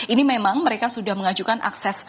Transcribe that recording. ini memang mereka sudah mengajukan akses